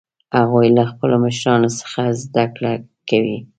هغوی له خپلو مشرانو څخه زده کړه کوي